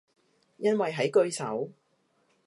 因為喺句首